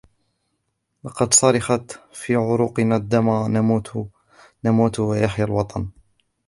لَقَدْ صَرَخَتْ فِي عُرُوقِنَا الدِّمَا نَمُوتُ نَمُوتُ وَيَحْيَا الْوَطَنْ